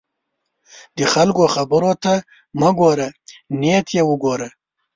د خلکو خبرو ته مه ګوره، نیت ته یې وګوره.